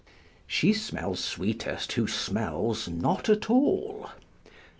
["She smells sweetest, who smells not at all."